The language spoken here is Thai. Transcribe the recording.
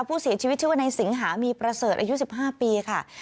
ผู้เสียชีวิตชื่อว่าในสิงหามีประเสริฐอายุ๑๕ปีค่ะ